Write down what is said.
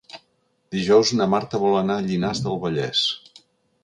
Dijous na Marta vol anar a Llinars del Vallès.